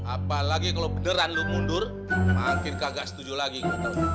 apalagi kalau beneran lo mundur makin kagak setuju lagi gue tau